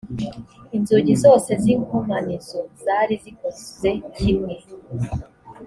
inzugi zose n’inkomanizo zari zikoze kimwe